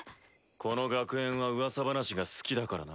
この学園はうわさ話が好きだからな。